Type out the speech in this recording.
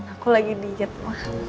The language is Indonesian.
aku lagi diet ma